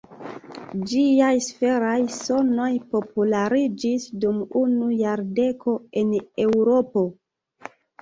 Ĝiaj sferaj sonoj populariĝis dum unu jardeko en Eŭropo.